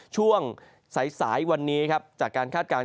ช่วงสายวันนี้ครับจากการคาดการณ